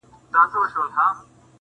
د تندې کرښو راوستلی یم د تور تر کلي-